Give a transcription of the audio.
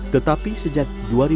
tetapi sejak dua ribu empat belas